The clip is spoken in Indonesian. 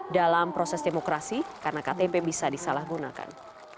dalam proses demokrasi karena ktp bisa disalahgunakan